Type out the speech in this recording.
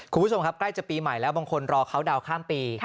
คุณผู้ชมครับใกล้จะปีใหม่แล้วบางคนรอเขาดาวนข้ามปี